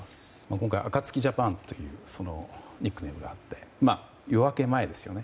今回、アカツキジャパンというニックネームがあって夜明け前ですよね。